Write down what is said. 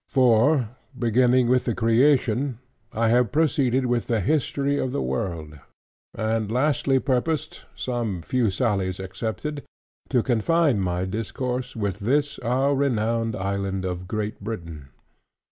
For, beginning with the Creation, I have proceeded with the History of the World; and lastly purposed (some few sallies excepted) to confine my discourse with this our renowned Island of Great Britain.